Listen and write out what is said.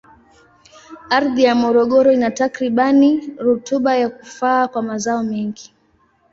Ardhi ya Morogoro ina takribani rutuba ya kufaa kwa mazao mengi.